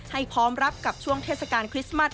พร้อมรับกับช่วงเทศกาลคริสต์มัส